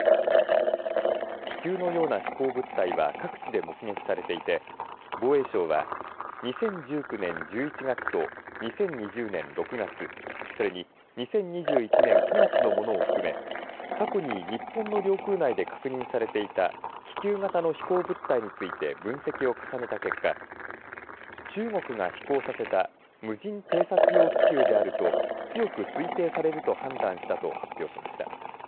気球のような飛行物体は各地で目撃されていて防衛省は２０１９年１１月と２０２０年６月それに２０２１年９月のものを含め過去に日本の領海内で確認されていた気球型の飛行物体について分析を重ねた結果中国が飛行させた無人偵察用気球であると強く推定されると判断したと発表しました。